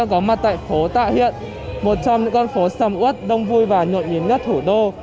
có mặt tại phố tạ hiện một trong những con phố sầm út đông vui và nhộn nhím nhất thủ đô